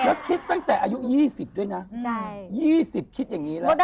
แล้วคิดตั้งแต่อายุ๒๐ด้วยนะ๒๐คิดอย่างนี้แล้วนะ